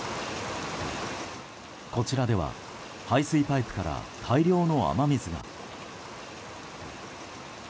こちらでは排水パイプから大量の雨水が。